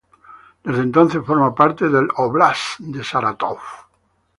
Desde entonces forma parte del Óblast de Sarátov.